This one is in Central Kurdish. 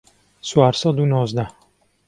چوار سەد و نۆزدە